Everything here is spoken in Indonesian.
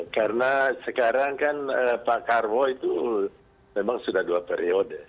karena sekarang kan pak karwo itu memang sudah dua periode